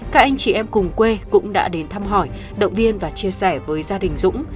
các anh chị em cùng quê cũng đã đến thăm hỏi động viên và chia sẻ với gia đình dũng